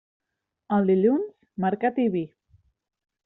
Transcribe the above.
El dilluns, mercat i vi.